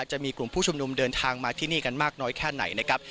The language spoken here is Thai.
จะมีกลุ่มผู้ชุมนุมเดินทางมาที่นี่กันมากน้อยแค่ไหนนะครับ